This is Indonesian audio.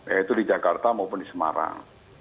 yaitu di jakarta maupun di semarang